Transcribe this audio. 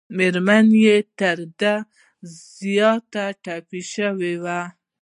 مېرمن یې تر ده زیاته ټپي شوې وه.